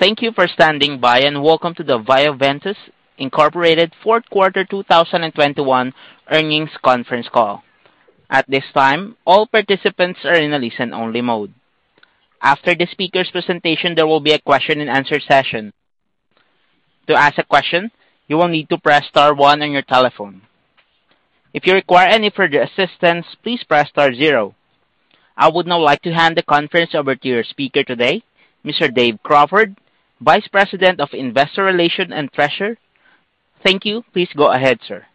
Thank you for standing by, and Welcome to the Bioventus Incorporated Fourth Quarter 2021 Earnings Conference Call. At this time, all participants are in a listen-only mode. After the speaker's presentation, there will be a question-and-answer session. To ask a question, you will need to press star one on your telephone. If you require any further assistance, please press star zero. I would now like to hand the conference over to your speaker today, Mr. Dave Crawford, Vice President of Investor Relations and Treasurer. Thank you. Please go ahead, sir.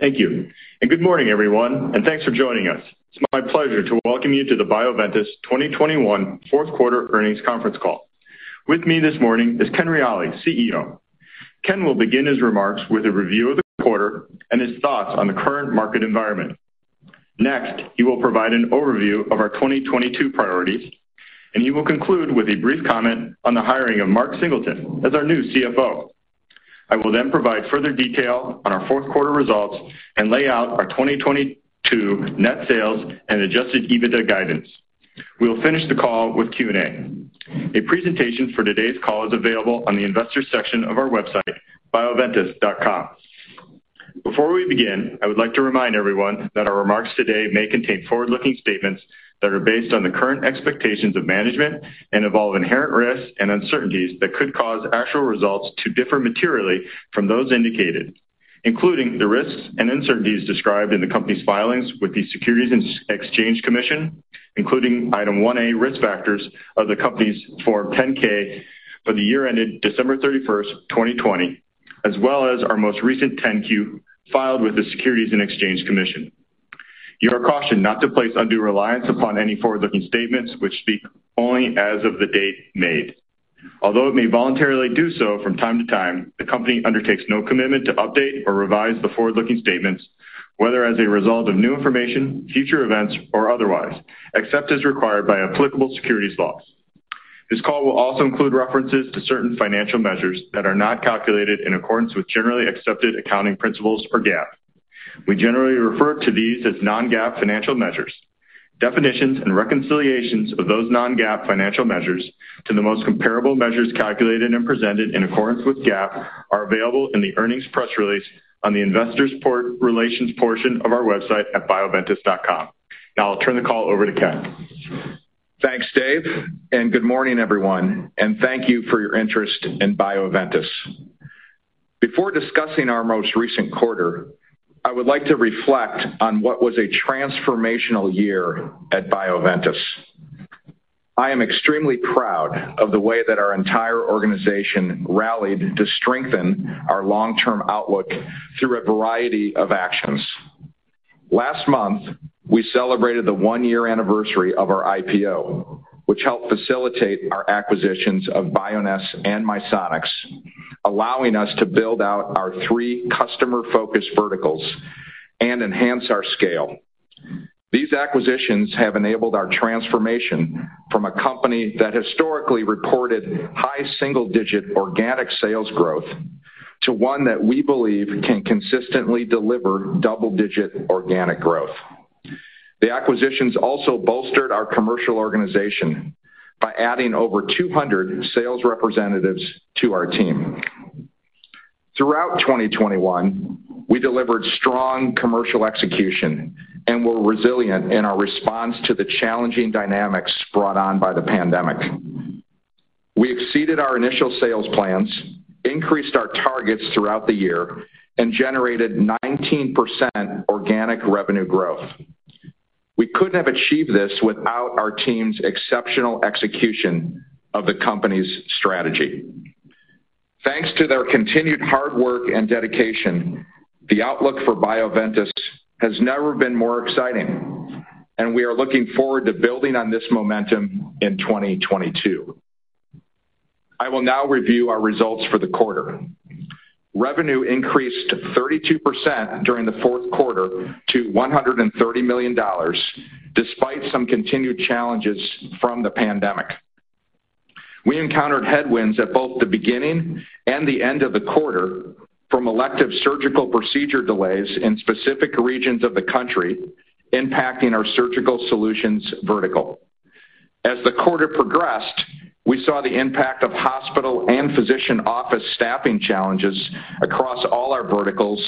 Thank you. Good morning, everyone, and thanks for joining us. It's my pleasure to Welcome you to the Bioventus 2021 Fourth Quarter Earnings Conference Call. With me this morning is Ken Reali, CEO. Ken will begin his remarks with a review of the quarter and his thoughts on the current market environment. Next, he will provide an overview of our 2022 priorities, and he will conclude with a brief comment on the hiring of Mark Singleton as our new CFO. I will then provide further detail on our fourth quarter results and lay out our 2022 net sales and Adjusted EBITDA guidance. We will finish the call with Q&A. A presentation for today's call is Available on the investor section of our website, bioventus.com. Before we begin, I would like to remind everyone that our remarks today may contain forward-looking statements that are based on the current expectations of management and involve inherent risks and uncertainties that could cause actual results to differ materially from those indicated, including the risks and uncertainties described in the company's filings with the Securities and Exchange Commission, including Item 1A, Risk Factors of the company's Form 10-K for the year ended December 31st, 2020, as well as our most recent 10-Q filed with the Securities and Exchange Commission. You are cautioned not to place undue reliance upon any forward-looking statements which speak only as of the date made. Although it may voluntarily do so from time to time, the company undertakes no commitment to update or revise the forward-looking statements, whether as a result of new information, future events, or otherwise, except as required by applicable securities laws. This call will also include references to certain financial measures that are not calculated in accordance with generally accepted accounting principles or GAAP. We generally refer to these as non-GAAP financial measures. Definitions and reconciliations of those non-GAAP financial measures to the most comparable measures calculated and presented in accordance with GAAP are available in the earnings press release on the investor relations portion of our website at bioventus.com. Now I'll turn the call over to Ken. Thanks, Dave, and good morning, everyone, and thank you for your interest in Bioventus. Before discussing our most recent quarter, I would like to reflect on what was a transformational year at Bioventus. I am extremely proud of the way that our entire organization rallied to strengthen our long-term outlook through a variety of actions. Last month, we celebrated the one-year anniversary of our IPO, which helped facilitate our acquisitions of Bioness and Misonix, allowing us to build out our three customer-focused verticals and enhance our scale. These acquisitions have enabled our transformation from a company that historically reported high single-digit organic sales growth to one that we believe can consistently deliver double-digit organic growth. The acquisitions also bolstered our commercial organization by adding over 200 sales representatives to our team. Throughout 2021, we delivered strong commercial execution and were resilient in our response to the challenging dynamics brought on by the pandemic. We exceeded our initial sales plans, increased our targets throughout the year, and generated 19% organic revenue growth. We couldn't have achieved this without our team's exceptional execution of the company's strategy. Thanks to their continued hard work and dedication, the outlook for Bioventus has never been more exciting, and we are looking forward to building on this momentum in 2022. I will now review our results for the quarter. Revenue increased 32% during the fourth quarter to $130 million, despite some continued challenges from the pandemic. We encountered headwinds at both the beginning and the end of the quarter from elective surgical procedure delays in specific regions of the country impacting our Surgical Solutions vertical. As the quarter progressed, we saw the impact of hospital and physician office staffing challenges across all our verticals,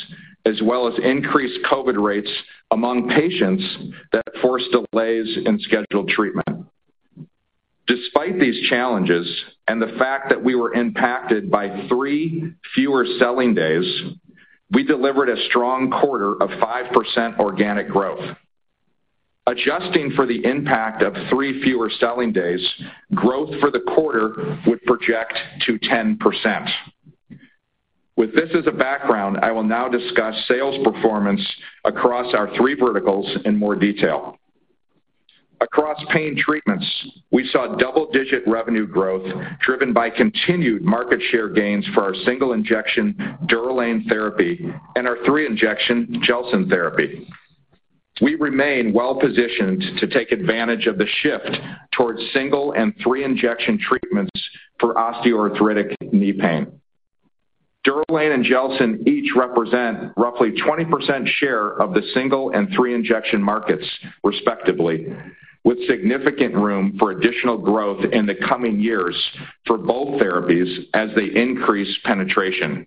as well as increased COVID rates among patients that forced delays in scheduled treatment. Despite these challenges and the fact that we were impacted by 3 fewer selling days, we delivered a strong quarter of 5% organic growth. Adjusting for the impact of 3 fewer selling days, growth for the quarter would project to 10%. With this as a background, I will now discuss sales performance across our three verticals in more detail. Across Pain Treatments, we saw double-digit revenue growth driven by continued market share gains for our single-injection DUROLANE therapy and our three-injection GELSYN-3 therapy. We remain well-positioned to take advantage of the shift towards single and three-injection treatments for osteoarthritic knee pain. DUROLANE and GELSYN-3 each represent roughly 20% share of the single and three-injection markets, respectively, with significant room for additional growth in the coming years for both therapies as they increase penetration.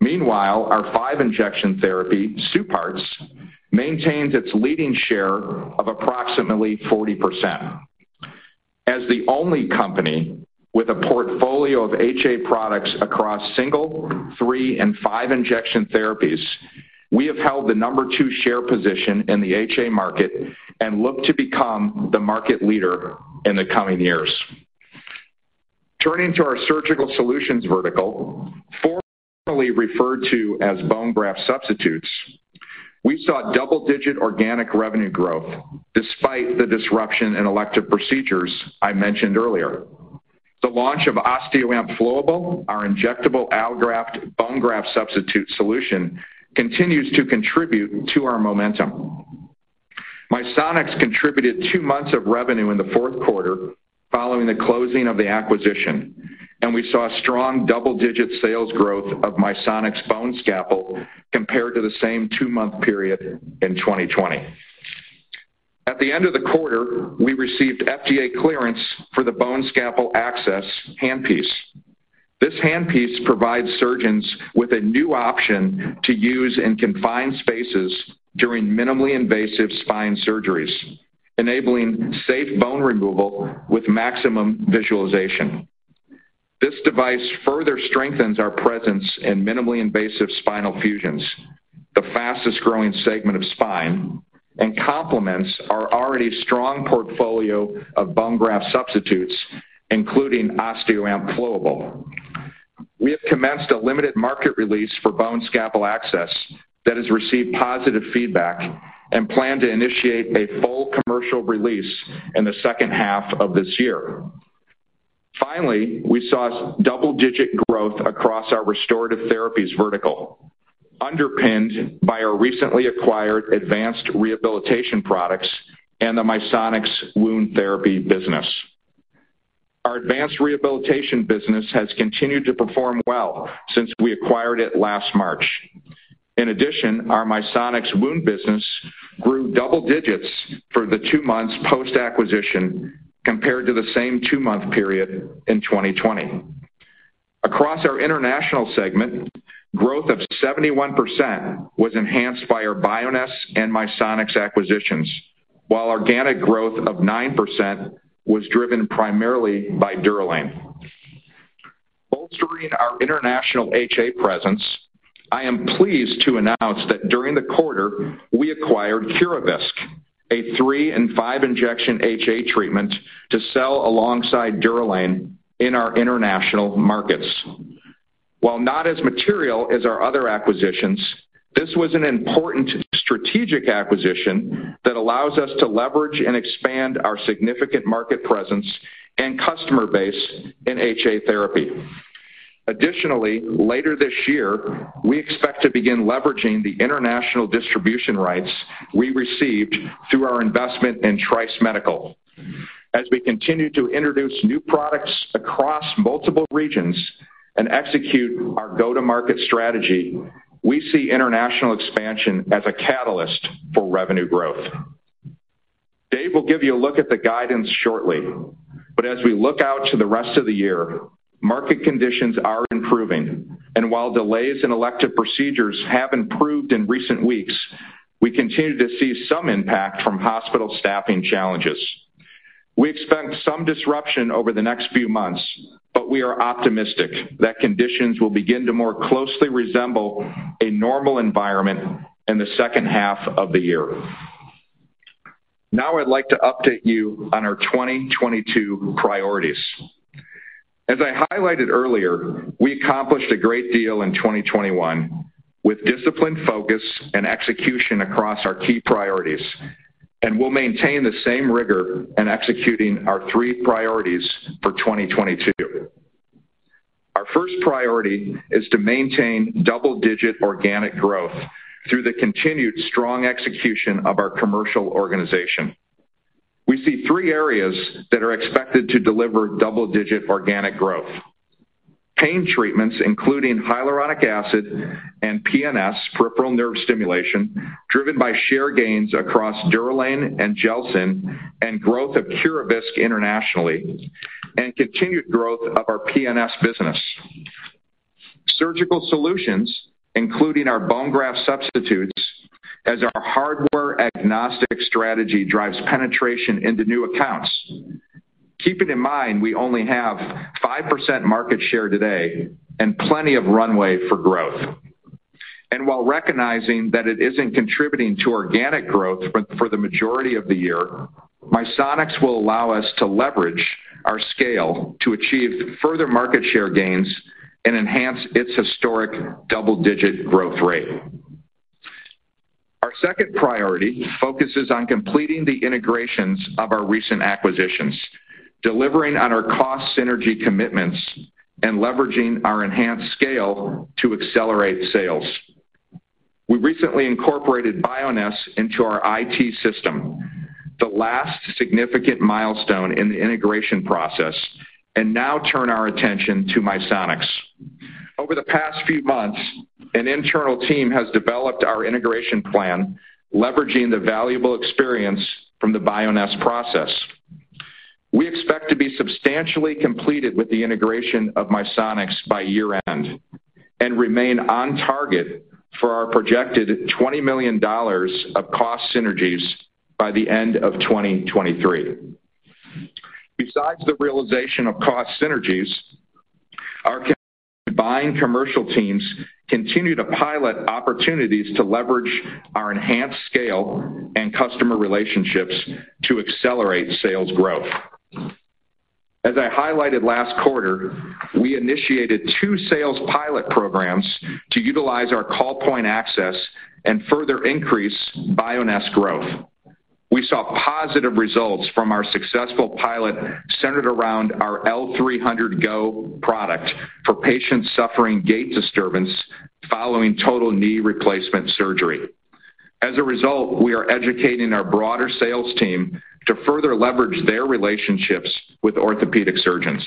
Meanwhile, our five-injection therapy, SUPARTZ FX, maintains its leading share of approximately 40%. As the only company with a portfolio of HA products across single, three, and five-injection therapies, we have held the number two share position in the HA market and look to become the market leader in the coming years. Turning to our Surgical Solutions vertical, formerly referred to as bone graft substitutes, we saw double-digit organic revenue growth despite the disruption in elective procedures I mentioned earlier. The launch of OSTEOAMP SELECT Flowable, our injectable allograft bone graft substitute solution, continues to contribute to our momentum. Misonix contributed two months of revenue in the fourth quarter following the closing of the acquisition, and we saw strong double-digit sales growth of Misonix BoneScalpel compared to the same two-month period in 2020. At the end of the quarter, we received FDA clearance for the BoneScalpel Access handpiece. This handpiece provides surgeons with a new option to use in confined spaces during minimally invasive spine surgeries, enabling safe bone removal with maximum visualization. This device further strengthens our presence in minimally invasive spinal fusions, the fastest-growing segment of spine, and complements our already strong portfolio of bone graft substitutes, including OSTEOAMP Flowable. We have commenced a limited market release for BoneScalpel Access that has received positive feedback and plan to initiate a full commercial release in the second half of this year. Finally, we saw double-digit growth across our Restorative Therapies vertical, underpinned by our recently acquired advanced rehabilitation products and the Misonix wound therapy business. Our advanced rehabilitation business has continued to perform well since we acquired it last March. In addition, our Misonix wound business grew double digits for the two months post-acquisition compared to the same two-month period in 2020. Across our international segment, growth of 71% was enhanced by our Bioness and Misonix acquisitions, while organic growth of 9% was driven primarily by DUROLANE. Bolstering our international HA presence, I am pleased to announce that during the quarter, we acquired Curavisc, a 3 and five-injection HA treatment to sell alongside DUROLANE in our international markets. While not as material as our other acquisitions, this was an important strategic acquisition that allows us to leverage and expand our significant market presence and customer base in HA therapy. Additionally, later this year, we expect to begin leveraging the international distribution rights we received through our investment in Trice Medical. As we continue to introduce new products across multiple regions and execute our go-to-market strategy, we see international expansion as a catalyst for revenue growth. Dave will give you a look at the guidance shortly. As we look out to the rest of the year, market conditions are improving. While delays in elective procedures have improved in recent weeks, we continue to see some impact from hospital staffing challenges. We expect some disruption over the next few months, but we are optimistic that conditions will begin to more closely resemble a normal environment in the second half of the year. Now I'd like to update you on our 2022 priorities. As I highlighted earlier, we accomplished a great deal in 2021 with disciplined focus and execution across our key priorities, and we'll maintain the same rigor in executing our three priorities for 2022. Our first priority is to maintain double-digit organic growth through the continued strong execution of our commercial organization. We see three areas that are expected to deliver double-digit organic growth. Pain Treatments, including hyaluronic acid and PNS, peripheral nerve stimulation, driven by share gains across DUROLANE and GELSYN-3 and growth of Curavisc internationally and continued growth of our PNS business. Surgical Solutions, including our bone graft substitutes as our hardware-agnostic strategy drives penetration into new accounts. Keeping in mind we only have 5% market share today and plenty of runway for growth. While recognizing that it isn't contributing to organic growth for the majority of the year, Misonix will allow us to leverage our scale to achieve further market share gains and enhance its historic double-digit growth rate. Our second priority focuses on completing the integrations of our recent acquisitions, delivering on our cost synergy commitments, and leveraging our enhanced scale to accelerate sales. We recently incorporated Bioness into our IT system, the last significant milestone in the integration process, and now turn our attention to Misonix. Over the past few months, an internal team has developed our integration plan, leveraging the valuable experience from the Bioness process. We expect to be substantially completed with the integration of Misonix by year-end and remain on target for our projected $20 million of cost synergies by the end of 2023. Besides the realization of cost synergies, our combined commercial teams continue to pilot opportunities to leverage our enhanced scale and customer relationships to accelerate sales growth. As I highlighted last quarter, we initiated two sales pilot programs to utilize our call point access and further increase Bioness growth. We saw positive results from our successful pilot centered around our L300 Go product for patients suffering gait disturbance following total knee replacement surgery. As a result, we are educating our broader sales team to further leverage their relationships with orthopedic surgeons.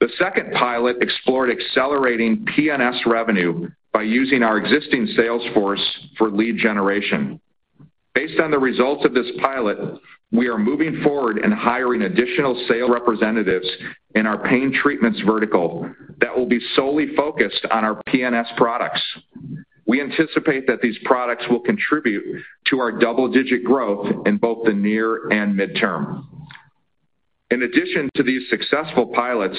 The second pilot explored accelerating PNS revenue by using our existing sales force for lead generation. Based on the results of this pilot, we are moving forward and hiring additional sales representatives in our Pain Treatments vertical that will be solely focused on our PNS products. We anticipate that these products will contribute to our double-digit growth in both the near and midterm. In addition to these successful pilots,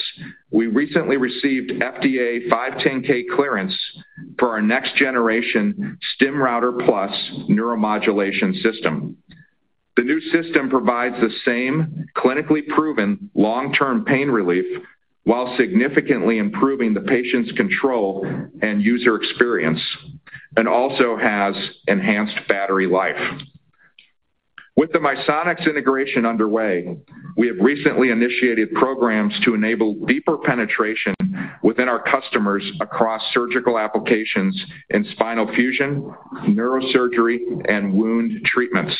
we recently received FDA 510(k) clearance for our next generation StimRouter neuromodulation system. The new system provides the same clinically proven long-term pain relief while significantly improving the patient's control and user experience, and also has enhanced battery life. With the Misonix integration underway, we have recently initiated programs to enable deeper penetration within our customers across surgical applications in spinal fusion, neurosurgery, and wound treatments.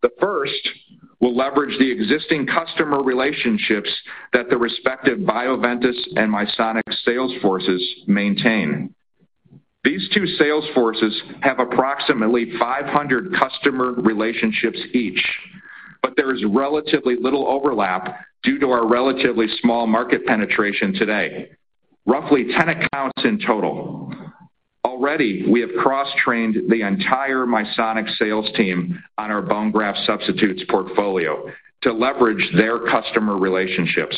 The first will leverage the existing customer relationships that the respective Bioventus and Misonix sales forces maintain. These two sales forces have approximately 500 customer relationships each, but there is relatively little overlap due to our relatively small market penetration today. Roughly 10 accounts in total. Already, we have cross-trained the entire Misonix sales team on our bone graft substitutes portfolio to leverage their customer relationships.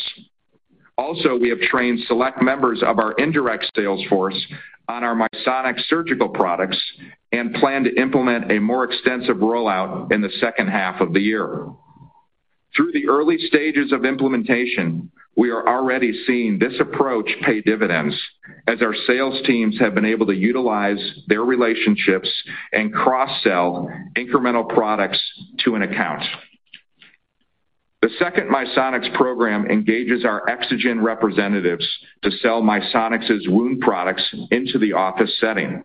Also, we have trained select members of our indirect sales force on our Misonix surgical products and plan to implement a more extensive rollout in the second half of the year. Through the early stages of implementation, we are already seeing this approach pay dividends as our sales teams have been able to utilize their relationships and cross-sell incremental products to an account. The second Misonix program engages our EXOGEN representatives to sell Misonix's wound products into the office setting.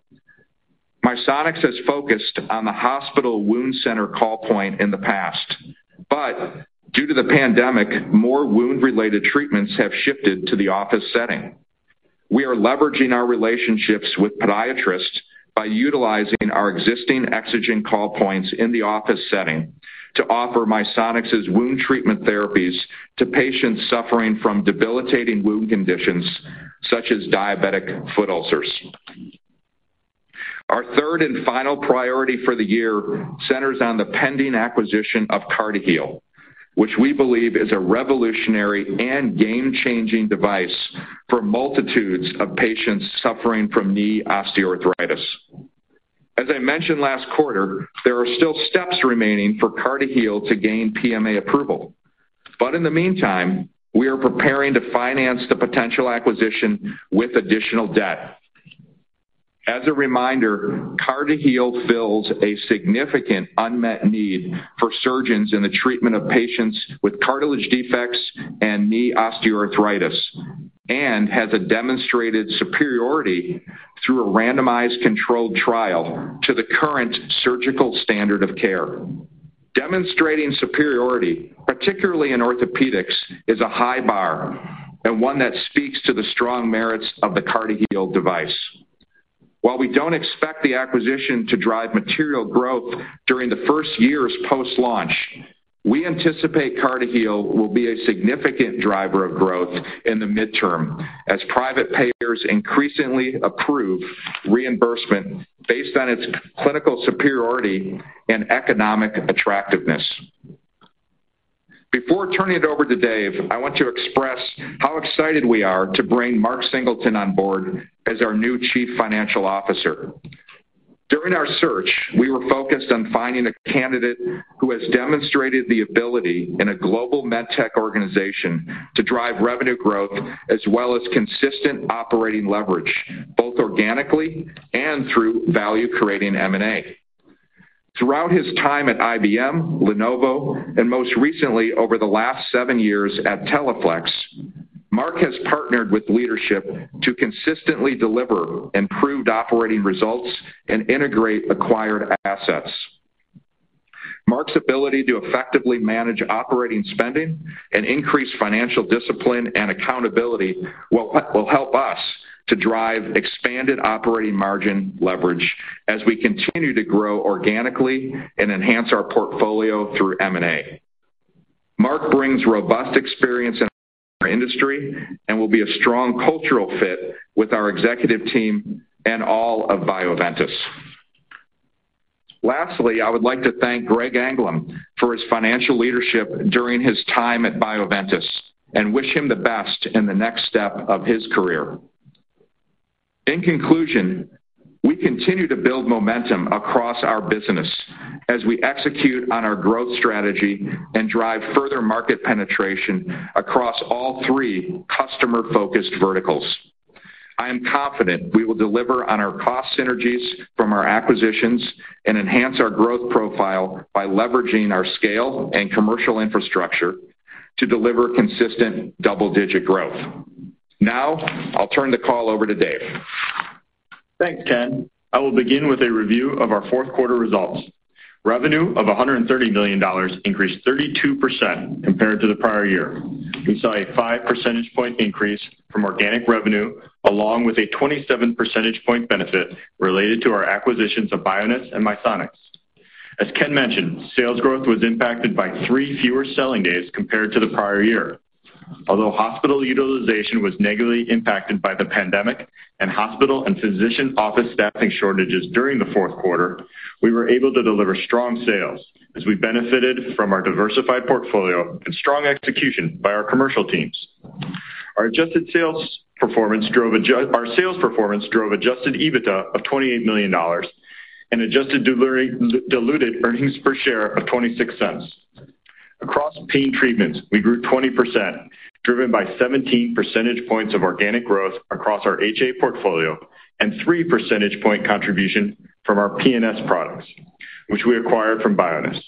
Misonix has focused on the hospital wound center call point in the past, but due to the pandemic, more wound-related treatments have shifted to the office setting. We are leveraging our relationships with podiatrists by utilizing our existing EXOGEN call points in the office setting to offer Misonix's wound treatment therapies to patients suffering from debilitating wound conditions such as diabetic foot ulcers. Our third and final priority for the year centers on the pending acquisition of CartiHeal, which we believe is a revolutionary and game-changing device for multitudes of patients suffering from knee osteoarthritis. As I mentioned last quarter, there are still steps remaining for CartiHeal to gain PMA approval. In the meantime, we are preparing to finance the potential acquisition with additional debt. As a reminder, CartiHeal fills a significant unmet need for surgeons in the treatment of patients with cartilage defects and knee osteoarthritis and has a demonstrated superiority through a randomized controlled trial to the current surgical standard of care. Demonstrating superiority, particularly in orthopedics, is a high bar and one that speaks to the strong merits of the CartiHeal device. While we don't expect the acquisition to drive material growth during the first years post-launch, we anticipate CartiHeal will be a significant driver of growth in the midterm as private payers increasingly approve reimbursement based on its clinical superiority and economic attractiveness. Before turning it over to Dave, I want to express how excited we are to bring Mark Singleton on board as our new Chief Financial Officer. During our search, we were focused on finding a candidate who has demonstrated the ability in a global med tech organization to drive revenue growth as well as consistent operating leverage, both organically and through value-creating M&A. Throughout his time at IBM, Lenovo, and most recently over the last seven years at Teleflex, Mark has partnered with leadership to consistently deliver improved operating results and integrate acquired assets. Mark's ability to effectively manage operating spending and increase financial discipline and accountability will help us to drive expanded operating margin leverage as we continue to grow organically and enhance our portfolio through M&A. Mark brings robust experience in our industry and will be a strong cultural fit with our executive team and all of Bioventus. Lastly, I would like to thank Greg Anglum for his financial leadership during his time at Bioventus and wish him the best in the next step of his career. In conclusion, we continue to build momentum across our business as we execute on our growth strategy and drive further market penetration across all three customer-focused verticals. I am confident we will deliver on our cost synergies from our acquisitions and enhance our growth profile by leveraging our scale and commercial infrastructure to deliver consistent double-digit growth. Now, I'll turn the call over to Dave. Thanks, Ken. I will begin with a review of our fourth quarter results. Revenue of $130 million increased 32% compared to the prior year. We saw a 5 percentage point increase from organic revenue along with a 27 percentage point benefit related to our acquisitions of Bioness and Misonix. As Ken mentioned, sales growth was impacted by 3 fewer selling days compared to the prior year. Although hospital utilization was negatively impacted by the pandemic and hospital and physician office staffing shortages during the fourth quarter, we were able to deliver strong sales as we benefited from our diversified portfolio and strong execution by our commercial teams. Our sales performance drove Adjusted EBITDA of $28 million and adjusted diluted earnings per share of $0.26. Across Pain Treatments, we grew 20%, driven by 17 percentage points of organic growth across our HA portfolio and 3 percentage points contribution from our PNS products, which we acquired from Bioness.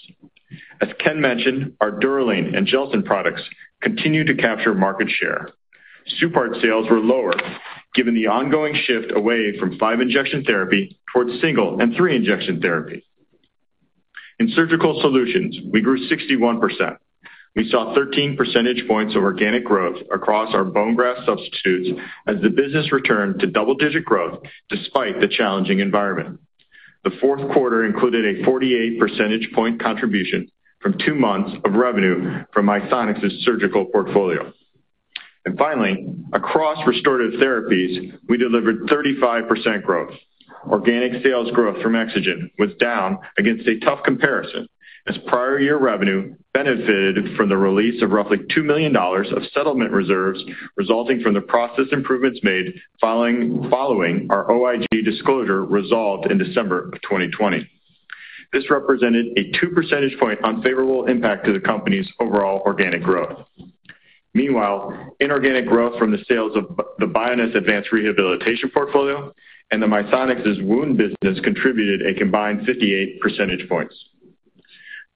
As Ken mentioned, our DUROLANE and GELSYN-3 products continue to capture market share. SUPARTZ FX sales were lower given the ongoing shift away from five injection therapy towards single and three injection therapy. In Surgical Solutions, we grew 61%. We saw 13 percentage points of organic growth across our bone graft substitutes as the business returned to double-digit growth despite the challenging environment. The fourth quarter included a 48 percentage points contribution from two months of revenue from Misonix's surgical portfolio. Finally, across Restorative Therapies, we delivered 35% growth. Organic sales growth from EXOGEN was down against a tough comparison as prior year revenue benefited from the release of roughly $2 million of settlement reserves resulting from the process improvements made following our OIG disclosure resolved in December 2020. This represented a 2 percentage point unfavorable impact to the company's overall organic growth. Meanwhile, inorganic growth from the sales of the Bioness advanced rehabilitation portfolio and the Misonix's wound business contributed a combined 58 percentage points.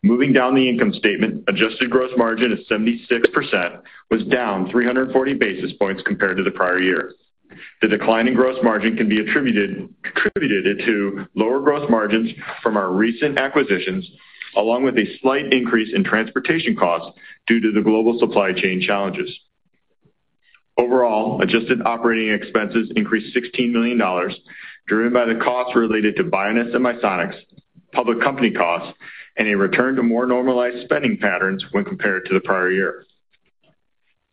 Moving down the income statement, adjusted gross margin is 76%, was down 340 basis points compared to the prior year. The decline in gross margin can be attributed to lower gross margins from our recent acquisitions, along with a slight increase in transportation costs due to the global supply chain challenges. Overall, adjusted operating expenses increased $16 million, driven by the costs related to Bioness and Misonix, public company costs, and a return to more normalized spending patterns when compared to the prior year.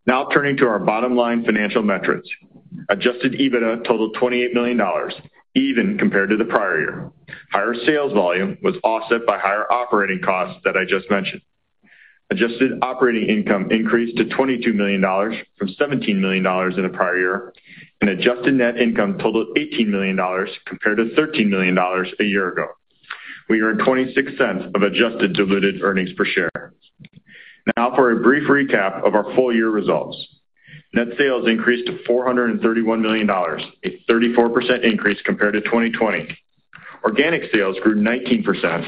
Now turning to our bottom line financial metrics. Adjusted EBITDA totaled $28 million, even compared to the prior year. Higher sales volume was offset by higher operating costs that I just mentioned. Adjusted operating income increased to $22 million from $17 million in the prior year, and adjusted net income totaled $18 million compared to $13 million a year ago. We earned $0.26 of adjusted diluted earnings per share. Now for a brief recap of our full year results. Net sales increased to $431 million, a 34% increase compared to 2020. Organic sales grew 19%,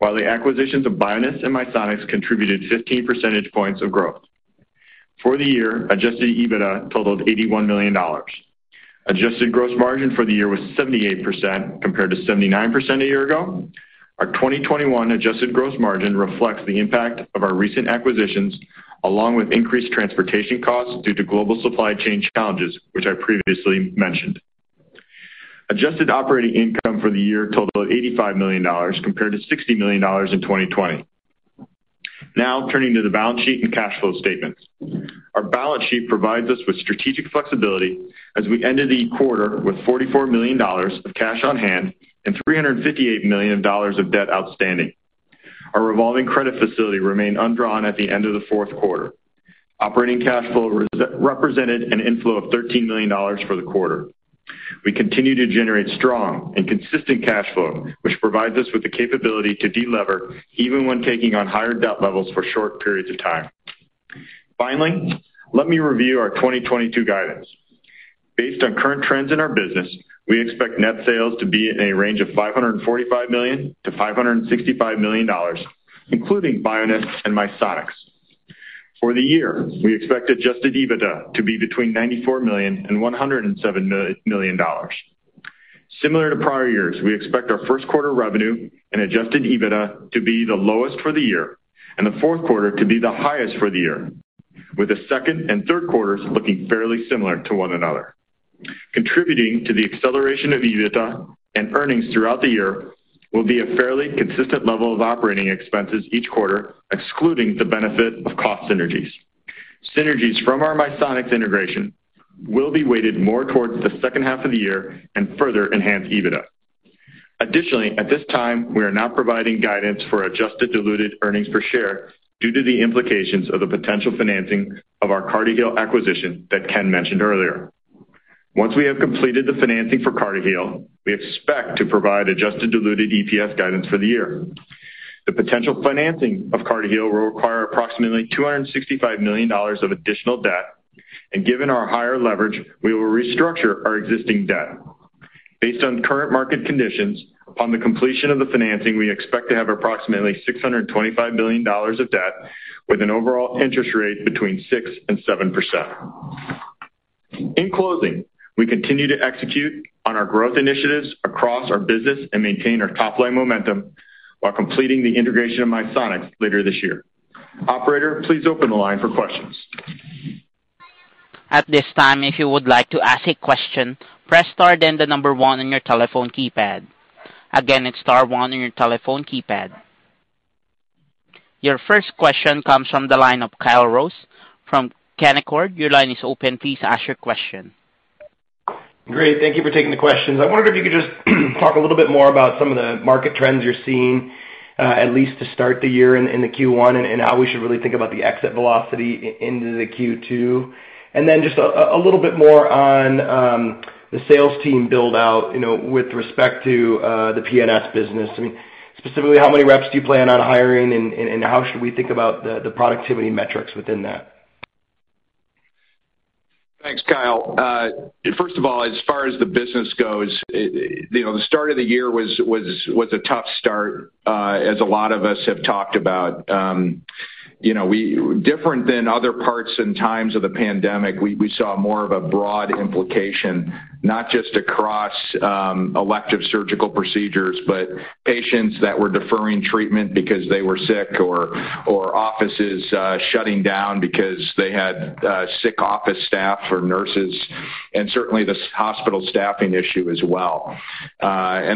while the acquisitions of Bioness and Misonix contributed 15 percentage points of growth. For the year, Adjusted EBITDA totaled $81 million. Adjusted gross margin for the year was 78% compared to 79% a year ago. Our 2021 adjusted gross margin reflects the impact of our recent acquisitions, along with increased transportation costs due to global supply chain challenges, which I previously mentioned. Adjusted operating income for the year totaled $85 million compared to $60 million in 2020. Now turning to the balance sheet and cash flow statements. Our balance sheet provides us with strategic flexibility as we ended the quarter with $44 million of cash on hand and $358 million of debt outstanding. Our revolving credit facility remained undrawn at the end of the fourth quarter. Operating cash flow represented an inflow of $13 million for the quarter. We continue to generate strong and consistent cash flow, which provides us with the capability to delever even when taking on higher debt levels for short periods of time. Finally, let me review our 2022 guidance. Based on current trends in our business, we expect net sales to be in a range of $545 million-$565 million, including Bioness and Misonix. For the year, we expect adjusted EBITDA to be between $94 million and $107 million. Similar to prior years, we expect our first quarter revenue and Adjusted EBITDA to be the lowest for the year and the fourth quarter to be the highest for the year, with the second and third quarters looking fairly similar to one another. Contributing to the acceleration of EBITDA and earnings throughout the year will be a fairly consistent level of operating expenses each quarter, excluding the benefit of cost synergies. Synergies from our Misonix integration will be weighted more towards the second half of the year and further enhance EBITDA. Additionally, at this time, we are not providing guidance for adjusted diluted earnings per share due to the implications of the potential financing of our CartiHeal acquisition that Ken mentioned earlier. Once we have completed the financing for CartiHeal, we expect to provide adjusted diluted EPS guidance for the year. The potential financing of CartiHeal will require approximately $265 million of additional debt, and given our higher leverage, we will restructure our existing debt. Based on current market conditions, upon the completion of the financing, we expect to have approximately $625 million of debt with an overall interest rate between 6% and 7%. In closing, we continue to execute on our growth initiatives across our business and maintain our top line momentum while completing the integration of Misonix later this year. Operator, please open the line for questions. At this time, if you would like to ask a question, press star then the number one on your telephone keypad. Again, it's star one on your telephone keypad. Your first question comes from the line of Kyle Rose from Canaccord. Your line is open. Please ask your question. Great. Thank you for taking the questions. I wonder if you could just talk a little bit more about some of the market trends you're seeing, at least to start the year in the Q1 and how we should really think about the exit velocity into the Q2. Then just a little bit more on the sales team build out, you know, with respect to the PNS business. I mean, specifically, how many reps do you plan on hiring and how should we think about the productivity metrics within that? Thanks, Kyle. First of all, as far as the business goes, you know, the start of the year was a tough start, as a lot of us have talked about. You know, different than other parts and times of the pandemic, we saw more of a broad implication, not just across elective surgical procedures, but patients that were deferring treatment because they were sick or offices shutting down because they had sick office staff or nurses, and certainly the hospital staffing issue as well.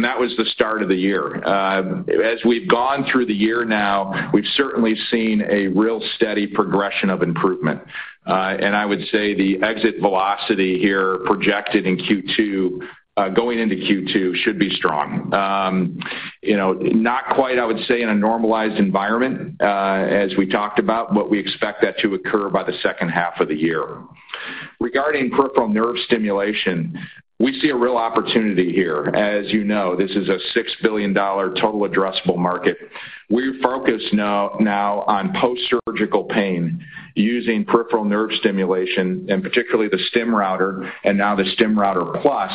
That was the start of the year. As we've gone through the year now, we've certainly seen a real steady progression of improvement. I would say the exit velocity here projected in Q2 going into Q2 should be strong. You know, not quite, I would say, in a normalized environment, as we talked about, but we expect that to occur by the second half of the year. Regarding peripheral nerve stimulation, we see a real opportunity here. As you know, this is a $6 billion total addressable market. We focus now on post-surgical pain using peripheral nerve stimulation and particularly the StimRouter and now the StimRouter Plus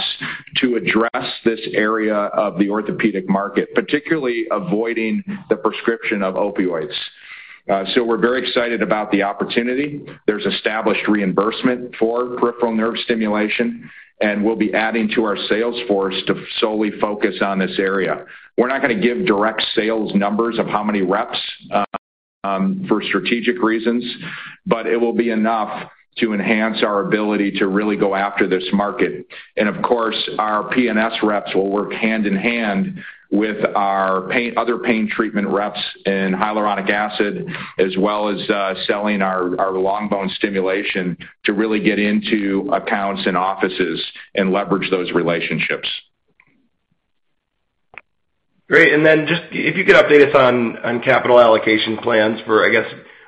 to address this area of the orthopedic market, particularly avoiding the prescription of opioids. We're very excited about the opportunity. There's established reimbursement for peripheral nerve stimulation, and we'll be adding to our sales force to solely focus on this area. We're not going to give direct sales numbers of how many reps for strategic reasons, but it will be enough to enhance our ability to really go after this market. Of course, our PNS reps will work hand in hand with our other pain treatment reps in hyaluronic acid, as well as selling our long bone stimulation to really get into accounts and offices and leverage those relationships. Great. Then just if you could update us on capital allocation plans for, I guess,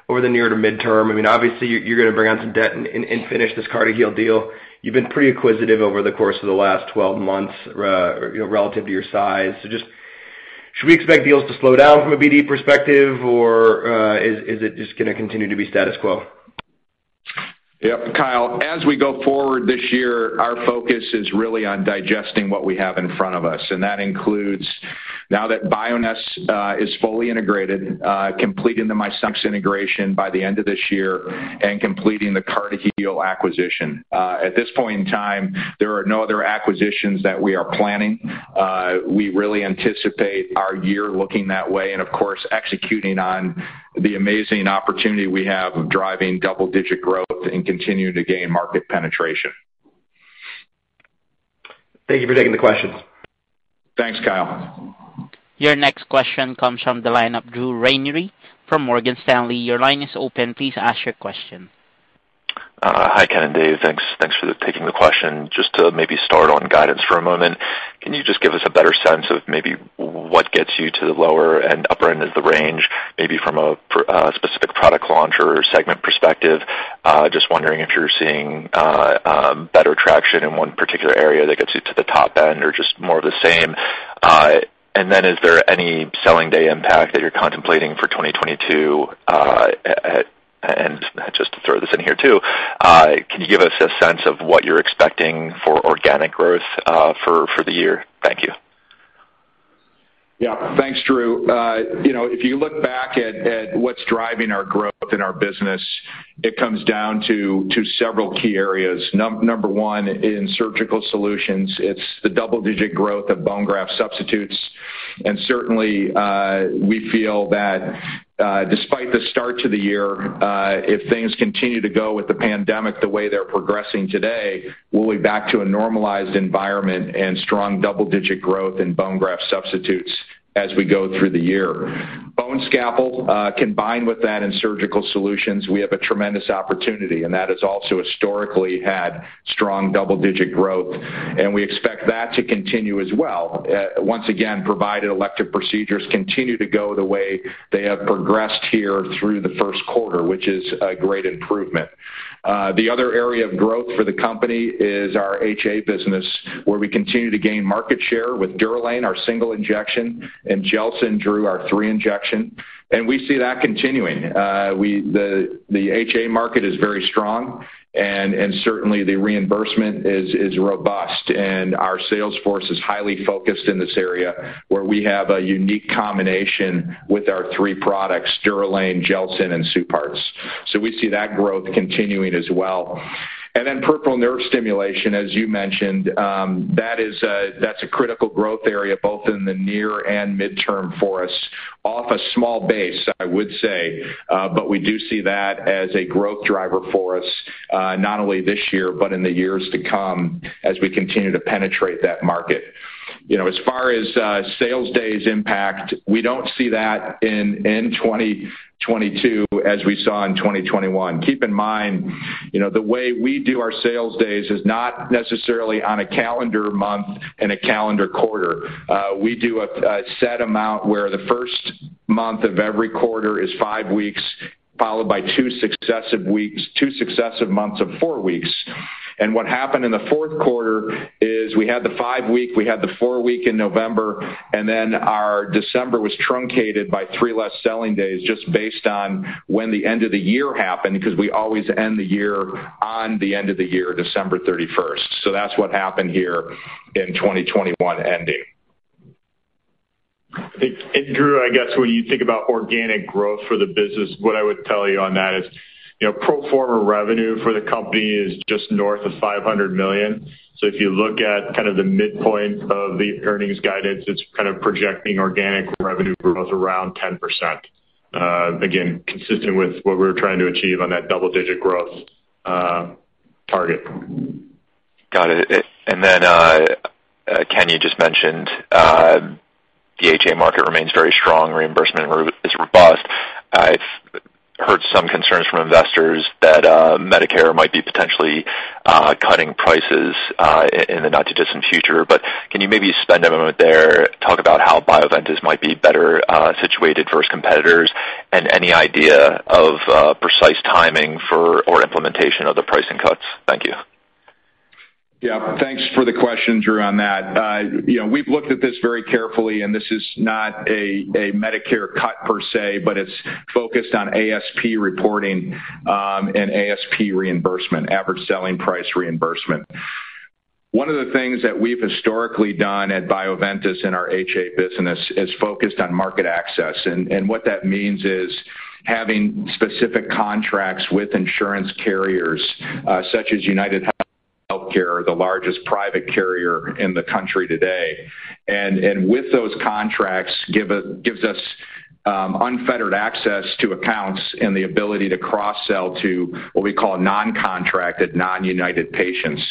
over the near to midterm. I mean, obviously you're going to bring on some debt and finish this CartiHeal deal. You've been pretty acquisitive over the course of the last 12 months you know, relative to your size. Just should we expect deals to slow down from a BD perspective or is it just gonna continue to be status quo? Yep. Kyle, as we go forward this year, our focus is really on digesting what we have in front of us, and that includes now that Bioness is fully integrated, completing the Misonix integration by the end of this year and completing the CartiHeal acquisition. At this point in time, there are no other acquisitions that we are planning. We really anticipate our year looking that way and of course, executing on the amazing opportunity we have of driving double-digit growth and continuing to gain market penetration. Thank you for taking the questions. Thanks, Kyle. Your next question comes from the line of Drew Ranieri from Morgan Stanley. Your line is open. Please ask your question. Hi, Ken and Dave. Thanks for taking the question. Just to maybe start on guidance for a moment, can you just give us a better sense of maybe what gets you to the lower and upper end of the range, maybe from a specific product launch or segment perspective? Just wondering if you're seeing better traction in one particular area that gets you to the top end or just more of the same. And then is there any selling day impact that you're contemplating for 2022, either too. Can you give us a sense of what you're expecting for organic growth for the year? Thank you. Yeah. Thanks, Drew. You know, if you look back at what's driving our growth in our business, it comes down to several key areas. Number one, in Surgical Solutions, it's the double-digit growth of bone graft substitutes. Certainly, we feel that, despite the start to the year, if things continue to go with the pandemic the way they're progressing today, we'll be back to a normalized environment and strong double-digit growth in bone graft substitutes as we go through the year. BoneScalpel, combined with that in Surgical Solutions, we have a tremendous opportunity, and that has also historically had strong double-digit growth, and we expect that to continue as well. Once again, provided elective procedures continue to go the way they have progressed here through the first quarter, which is a great improvement. The other area of growth for the company is our HA business, where we continue to gain market share with DUROLANE, our single injection, and GELSYN-3, Drew, our three injection. We see that continuing. The HA market is very strong and certainly the reimbursement is robust. Our sales force is highly focused in this area where we have a unique combination with our three products, DUROLANE, GELSYN-3, and SUPARTZ FX. We see that growth continuing as well. Peripheral nerve stimulation, as you mentioned, that's a critical growth area both in the near and midterm for us. Off a small base, I would say, but we do see that as a growth driver for us, not only this year but in the years to come as we continue to penetrate that market. You know, as far as sales days impact, we don't see that in 2022 as we saw in 2021. Keep in mind, you know, the way we do our sales days is not necessarily on a calendar month and a calendar quarter. We do a set amount where the first month of every quarter is five weeks, followed by two successive months of four weeks. What happened in the fourth quarter is we had the five week, we had the four week in November, and then our December was truncated by three less selling days just based on when the end of the year happened, because we always end the year on the end of the year, December 31st. That's what happened here in 2021 ending. Drew, I guess when you think about organic growth for the business, what I would tell you on that is, you know, pro forma revenue for the company is just north of $500 million. If you look at kind of the midpoint of the earnings guidance, it's kind of projecting organic revenue growth around 10%. Again, consistent with what we're trying to achieve on that double-digit growth target. Got it. Ken, you just mentioned the HA market remains very strong, reimbursement is robust. I've heard some concerns from investors that Medicare might be potentially cutting prices in the not-too-distant future. Can you maybe spend a moment there, talk about how Bioventus might be better situated versus competitors and any idea of precise timing for or implementation of the pricing cuts? Thank you. Yeah. Thanks for the question, Drew, on that. We've looked at this very carefully, and this is not a Medicare cut per se, but it's focused on ASP reporting and ASP reimbursement, average selling price reimbursement. One of the things that we've historically done at Bioventus in our HA business is focused on market access. What that means is having specific contracts with insurance carriers, such as UnitedHealthcare, the largest private carrier in the country today. With those contracts gives us unfettered access to accounts and the ability to cross-sell to what we call non-contracted, non-United patients.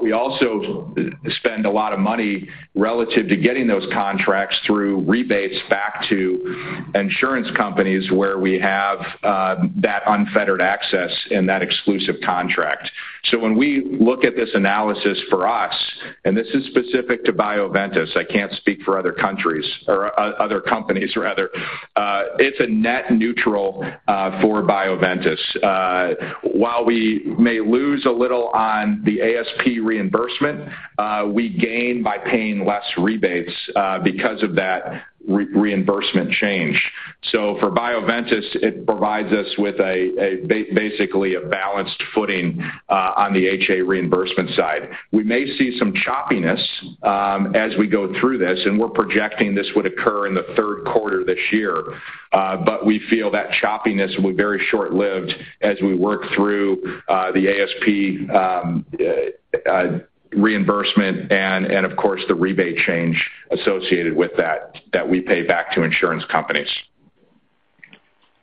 We also spend a lot of money relative to getting those contracts through rebates back to insurance companies where we have that unfettered access and that exclusive contract. When we look at this analysis for us, and this is specific to Bioventus, I can't speak for other countries or other companies rather, it's a net neutral for Bioventus. While we may lose a little on the ASP reimbursement, we gain by paying less rebates because of that reimbursement change. For Bioventus, it provides us with basically a balanced footing on the HA reimbursement side. We may see some choppiness as we go through this, and we're projecting this would occur in the third quarter this year. But we feel that choppiness will be very short-lived as we work through the ASP reimbursement and of course the rebate change associated with that that we pay back to insurance companies.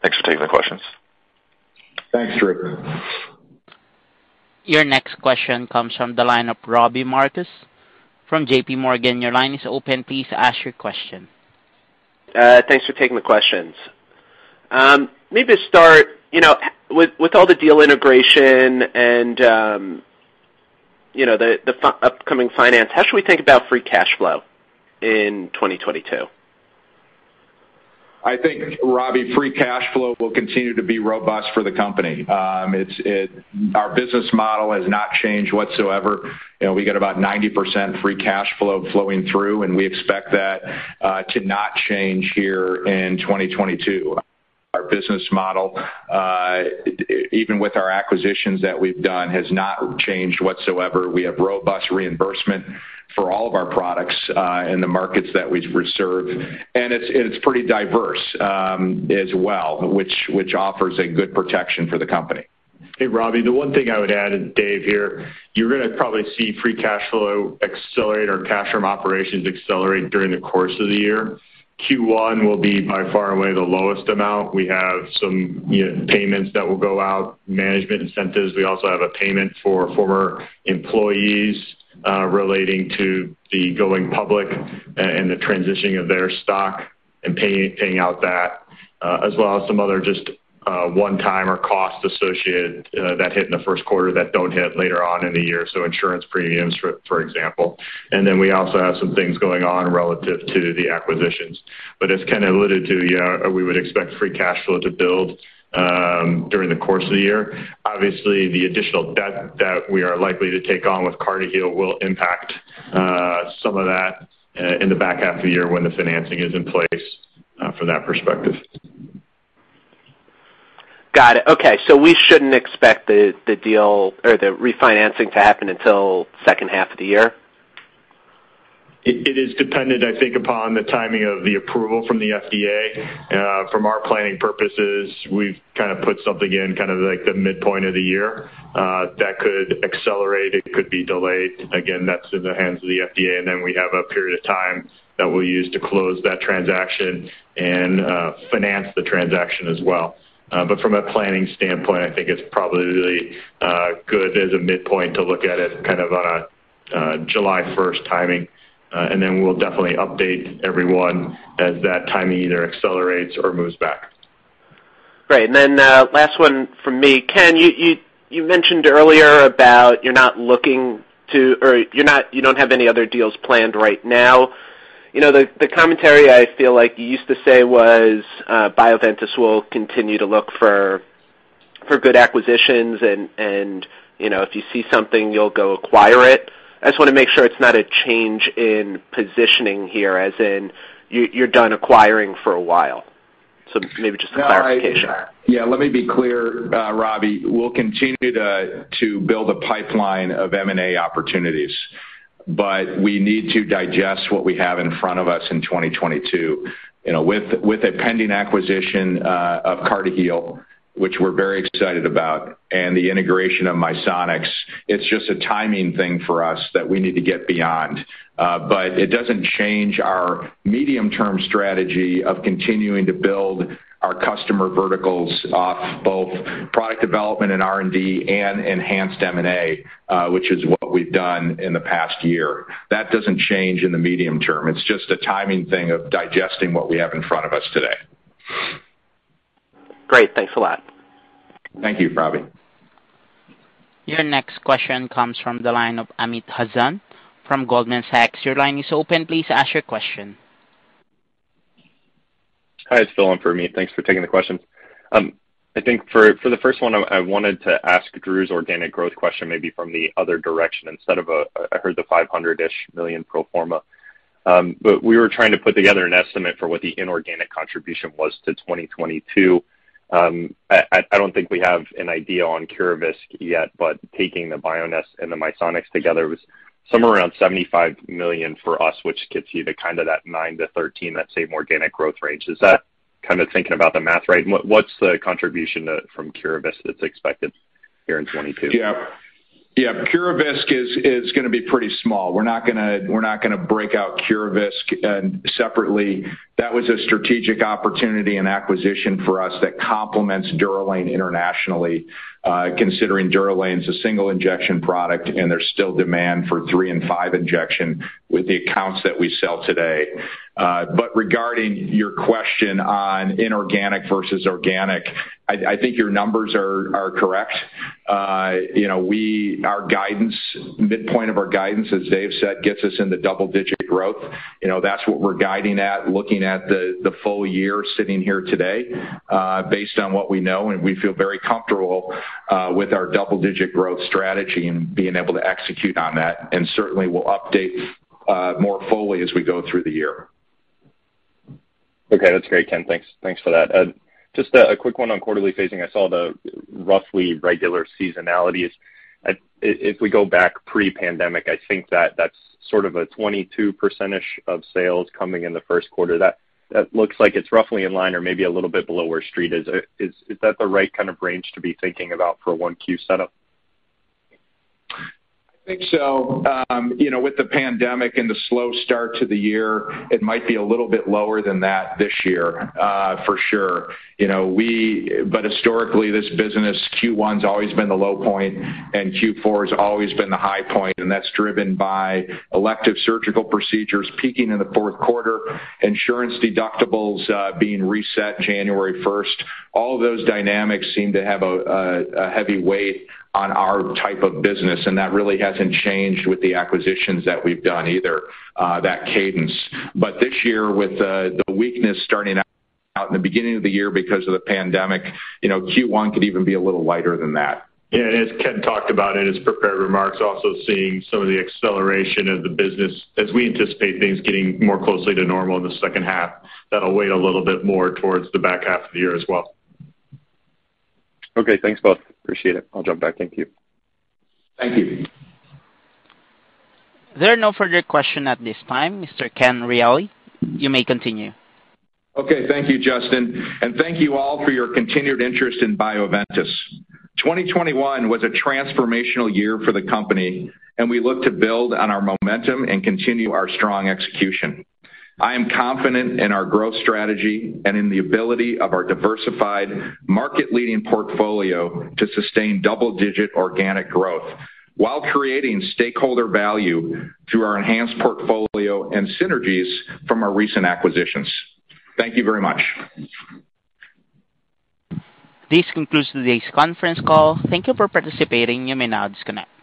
Thanks for taking the questions. Thanks, Drew. Your next question comes from the line of Robbie Marcus from J.P. Morgan. Your line is open. Please ask your question. Thanks for taking the questions. Maybe to start, you know, with all the deal integration and, you know, the upcoming finance, how should we think about free cash flow in 2022? I think, Robbie, free cash flow will continue to be robust for the company. Our business model has not changed whatsoever. You know, we get about 90% free cash flow flowing through, and we expect that to not change here in 2022. Our business model, even with our acquisitions that we've done, has not changed whatsoever. We have robust reimbursement for all of our products in the markets that we serve. It's pretty diverse as well, which offers a good protection for the company. Hey, Robbie, the one thing I would add, and Dave here, you're gonna probably see free cash flow accelerate or cash from operations accelerate during the course of the year. Q1 will be by far the lowest amount. We have some, you know, payments that will go out, management incentives. We also have a payment for former employees relating to the going public and the transitioning of their stock and paying out that, as well as some other just one-timer costs associated that hit in the first quarter that don't hit later on in the year, so insurance premiums for example. Then we also have some things going on relative to the acquisitions. As Ken alluded to, yeah, we would expect free cash flow to build during the course of the year. Obviously, the additional debt that we are likely to take on with CartiHeal will impact some of that in the back half of the year when the financing is in place from that perspective. Got it. Okay, we shouldn't expect the deal or the refinancing to happen until second half of the year? It is dependent, I think, upon the timing of the approval from the FDA. From our planning purposes, we've kind of put something in kind of like the midpoint of the year. That could accelerate. It could be delayed. Again, that's in the hands of the FDA, and then we have a period of time that we'll use to close that transaction and finance the transaction as well. From a planning standpoint, I think it's probably good as a midpoint to look at it kind of on a July 1st timing. We'll definitely update everyone as that timing either accelerates or moves back. Great. Then, last one from me. Ken, you mentioned earlier about you don't have any other deals planned right now. You know, the commentary I feel like you used to say was, Bioventus will continue to look for good acquisitions and, you know, if you see something, you'll go acquire it. I just wanna make sure it's not a change in positioning here as in you're done acquiring for a while. Maybe just a clarification. Yeah, let me be clear, Robbie. We'll continue to build a pipeline of M&A opportunities, but we need to digest what we have in front of us in 2022. You know, with a pending acquisition of CartiHeal, which we're very excited about, and the integration of Misonix, it's just a timing thing for us that we need to get beyond. It doesn't change our medium-term strategy of continuing to build our commercial verticals off both product development and R&D and enhanced M&A, which is what we've done in the past year. That doesn't change in the medium term. It's just a timing thing of digesting what we have in front of us today. Great. Thanks a lot. Thank you, Robbie. Your next question comes from the line of Amit Hazan from Goldman Sachs. Your line is open. Please ask your question. Hi, it's Phil in for Amit. Thanks for taking the question. I think for the first one, I wanted to ask Drew's organic growth question maybe from the other direction instead of I heard the $500 million-ish pro forma. But we were trying to put together an estimate for what the inorganic contribution was to 2022. I don't think we have an idea on Curavisc yet, but taking the Bioness and the Misonix together was somewhere around $75 million for us, which gets you to kind of that 9%-13%, that same organic growth range. Is that kind of thinking about the math right? And what's the contribution from Curavisc that's expected here in 2022? Yeah. Yeah, Curavisc is gonna be pretty small. We're not gonna break out Curavisc separately. That was a strategic opportunity and acquisition for us that complements DUROLANE internationally, considering DUROLANE's a single injection product and there's still demand for 3 and 5 injection with the accounts that we sell today. But regarding your question on inorganic versus organic, I think your numbers are correct. You know, our guidance, midpoint of our guidance, as Dave said, gets us into double-digit growth. You know, that's what we're guiding at, looking at the full year sitting here today, based on what we know, and we feel very comfortable with our double-digit growth strategy and being able to execute on that. Certainly, we'll update more fully as we go through the year. Okay. That's great, Ken. Thanks for that. Just a quick one on quarterly phasing. I saw the roughly regular seasonality is. If we go back pre-pandemic, I think that's sort of a 22%-ish of sales coming in the first quarter. That looks like it's roughly in line or maybe a little bit below where Street is. Is that the right kind of range to be thinking about for Q1 setup? I think so. You know, with the pandemic and the slow start to the year, it might be a little bit lower than that this year, for sure. You know, historically, this business, Q1's always been the low point, and Q4's always been the high point, and that's driven by elective surgical procedures peaking in the fourth quarter, insurance deductibles being reset January first. All of those dynamics seem to have a heavy weight on our type of business, and that really hasn't changed with the acquisitions that we've done either, that cadence. This year, with the weakness starting out in the beginning of the year because of the pandemic, you know, Q1 could even be a little lighter than that. Yeah, as Ken talked about in his prepared remarks, also seeing some of the acceleration of the business as we anticipate things getting more closely to normal in the second half, that'll weigh a little bit more towards the back half of the year as well. Okay, thanks both. Appreciate it. I'll jump back. Thank you. Thank you. There are no further questions at this time, Mr. Ken Reali. You may continue. Okay. Thank you, Justin. Thank you all for your continued interest in Bioventus. 2021 was a transformational year for the company, and we look to build on our momentum and continue our strong execution. I am confident in our growth strategy and in the ability of our diversified market-leading portfolio to sustain double-digit organic growth while creating stakeholder value through our enhanced portfolio and synergies from our recent acquisitions. Thank you very much. This concludes today's conference call. Thank you for participating. You may now disconnect.